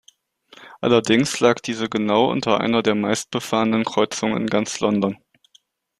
Allerdings lag diese genau unter einer der meist befahrenen Kreuzungen in ganz London.